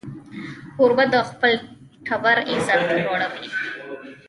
کوربه د خپل ټبر عزت لوړوي.